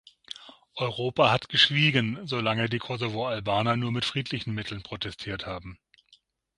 Europa hat geschwiegen, solange die Kosovoalbaner nur mit friedlichen Mitteln protestiert haben.